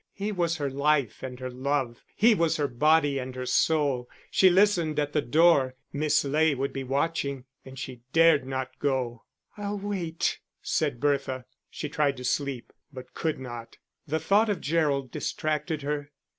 He was her life and her love, he was her body and her soul. She listened at the door; Miss Ley would be watching, and she dared not go. "I'll wait," said Bertha. She tried to sleep, but could not. The thought of Gerald distracted her.